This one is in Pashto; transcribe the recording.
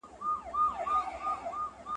ما غوښتل چې له هغې څخه لاره وغواړم.